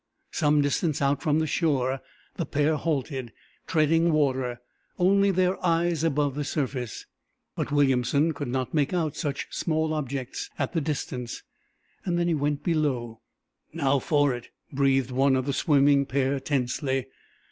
Some distance out from the shore the pair halted, treading water, only their eyes above the surface. But Williamson could not make out such small objects at the distance. Then he went below. "Now, for it," breathed one of the swimming pair, tensely.